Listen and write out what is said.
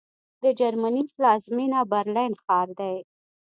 د جرمني پلازمېنه برلین ښار دی